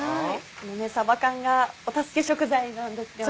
このさば缶がお助け食材なんですよね。